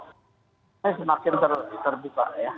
ini semakin terbuka ya